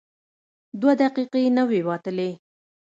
دوه دقیقې نه وې وتلې.